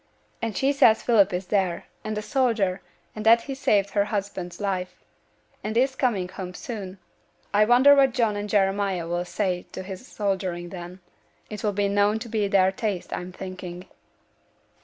And she says Philip is there, and a soldier, and that he saved her husband's life, and is coming home soon. I wonder what John and Jeremiah 'll say to his soldiering then? It'll noane be to their taste, I'm thinking.'